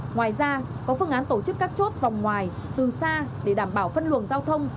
ngoài ra có phương án tổ chức các chốt vòng ngoài từ xa để đảm bảo phân luồng giao thông